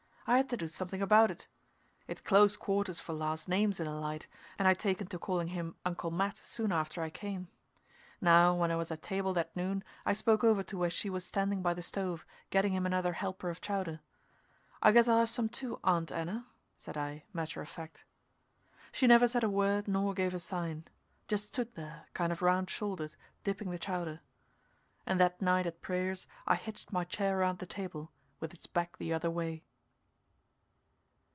I had to do something about it. It's close quarters for last names in a light, and I'd taken to calling him Uncle Matt soon after I came. Now, when I was at table that noon I spoke over to where she was standing by the stove, getting him another help of chowder. "I guess I'll have some, too, Aunt Anna," said I, matter of fact. She never said a word nor gave a sign just stood there kind of round shouldered, dipping the chowder. And that night at prayers I hitched my chair around the table, with its back the other way.